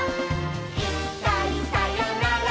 「いっかいさよなら